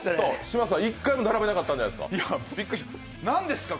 嶋佐さん、一回も並べなかったんじゃないですか。